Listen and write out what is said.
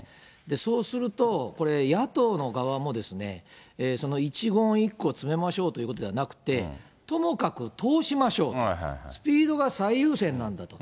そうすると、これ、野党の側もですね、その一言一句を詰めましょうということではなくて、ともかく通しましょうと、スピードが最優先なんだと。